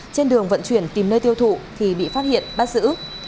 trên đường vận chuyển tìm nơi tiêu thụ thì bị phát hiện bắt giữ